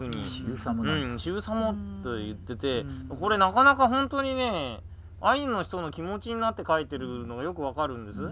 うんシユサモと言っててこれなかなかほんとにねアイヌの人の気持ちになって書いてるのがよく分かるんです。